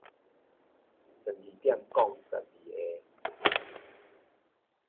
十二點摃十二下